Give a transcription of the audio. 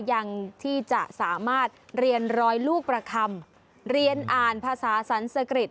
ยังที่จะสามารถเรียนรอยลูกประคำเรียนอ่านภาษาสรรสกริจ